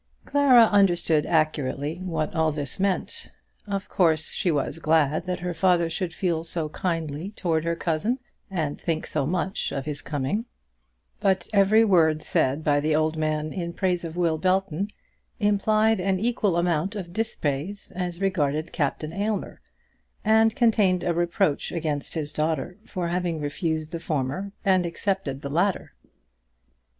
Clara understood accurately what all this meant. Of course she was glad that her father should feel so kindly towards her cousin, and think so much of his coming; but every word said by the old man in praise of Will Belton implied an equal amount of dispraise as regarded Captain Aylmer, and contained a reproach against his daughter for having refused the former and accepted the latter.